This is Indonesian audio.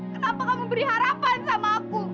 kenapa kamu beri harapan sama aku